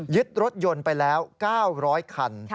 รถยนต์ไปแล้ว๙๐๐คัน